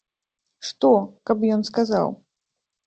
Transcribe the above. Што, каб ён сказаў?